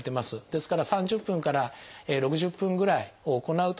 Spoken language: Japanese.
ですから３０分から６０分ぐらいを行うとですね